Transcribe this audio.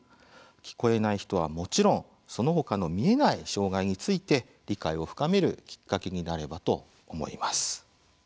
聞こえない人はもちろんその他の見えない障害について理解を深めるきっかけになればと思います。